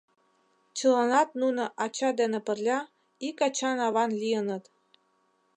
Чыланат нуно ача дене пырля ик ачан-аван лийыныт.